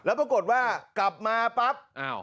แล้วปรากฏว่ากลับมาปั๊บ